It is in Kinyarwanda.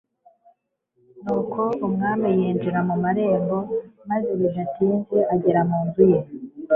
Nuko umwami yinjira mu marembo maze bidatinze agera mu nzu ye